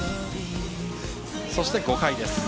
そして５回です。